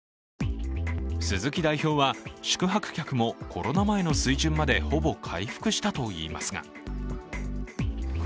鈴木代表は、宿泊客もコロナ前の水準までほぼ回復したといいますが。